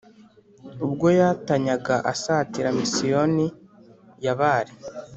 ubwo yatanyaga asatira misiyoni ya bare